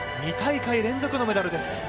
２大会連続のメダルです。